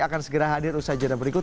akan segera hadir usai jurnal berikut